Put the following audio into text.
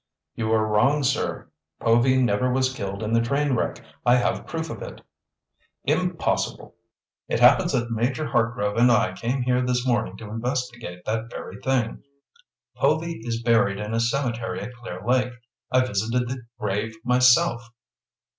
"You are wrong, sir. Povy never was killed in the train wreck. I have proof of it." "Impossible! It happens that Major Hartgrove and I came here this morning to investigate that very thing. Povy is buried in a cemetery at Clear Lake. I visited the grave myself."